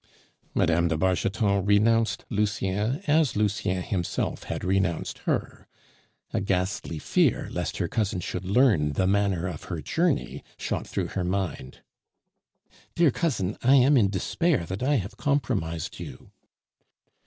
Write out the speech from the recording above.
Mme. de Bargeton renounced Lucien as Lucien himself had renounced her; a ghastly fear lest her cousin should learn the manner of her journey shot through her mind. "Dear cousin, I am in despair that I have compromised you."